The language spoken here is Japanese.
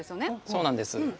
そうなんです。